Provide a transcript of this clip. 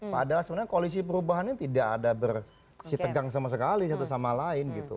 padahal sebenarnya koalisi perubahan ini tidak ada bersitegang sama sekali satu sama lain gitu